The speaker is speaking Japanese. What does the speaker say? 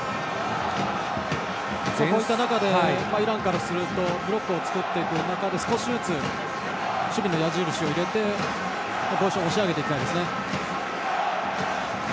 こういった中でイランからするとブロックを作って少しずつ守備の矢印を入れてポジションを押し上げていきたいですね。